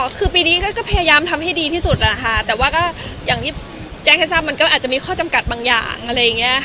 ก็คือปีนี้ก็พยายามทำให้ดีที่สุดนะคะแต่ว่าอย่างที่แจ้งให้ทราบมันก็อาจจะมีข้อจำกัดบางอย่าง